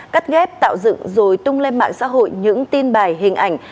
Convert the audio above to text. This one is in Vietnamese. cắt ghép tạo dựng rồi tung lên mạng xã hội những tin bài hình ảnh